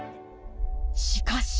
しかし。